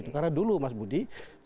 karena dulu mas budi